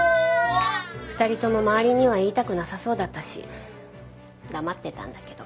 ２人とも周りには言いたくなさそうだったし黙ってたんだけど。